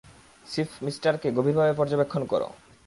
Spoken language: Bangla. স্টিফমিস্টারকে গভীরভাবে পর্যবেক্ষণ কর।